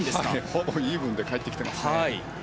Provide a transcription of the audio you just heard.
ほぼイーブンで帰ってきていますね。